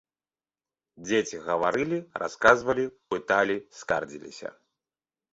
Дзеці гаварылі, расказвалі, пыталі, скардзіліся.